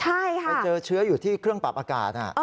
ไม่เจอเชื้ออยู่ที่เครื่องปรับอากาศ